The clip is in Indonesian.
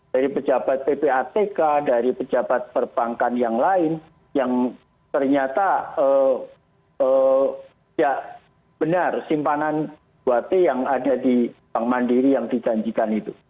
dari pejabat ppatk dari pejabat perbankan yang lain yang ternyata tidak benar simpanan dua t yang ada di bank mandiri yang dijanjikan itu